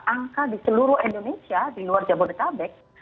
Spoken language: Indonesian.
angka di seluruh indonesia di luar jabodetabek